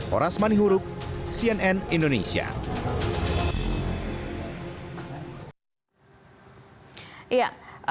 horas mani huruf cnn indonesia